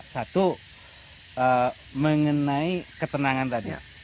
satu mengenai ketenangan tadi